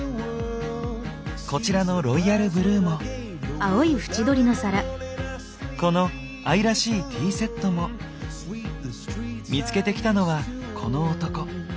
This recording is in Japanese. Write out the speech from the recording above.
こちらのロイヤルブルーもこの愛らしいティーセットも見つけてきたのはこの男。